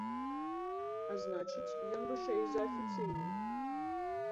А значыць, ён вышэй за афіцыйны.